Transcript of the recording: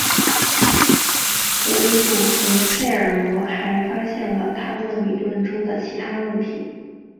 格里普和费尔罗还发现了他们理论中的其他问题。